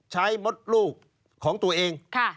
มดลูกของตัวเอง